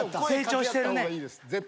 成長してるね。